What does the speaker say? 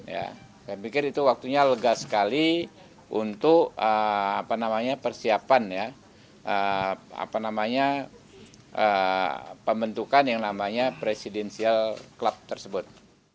saya pikir itu waktunya lega sekali untuk apa namanya persiapan ya apa namanya pembentukan yang namanya presidensial club tersebut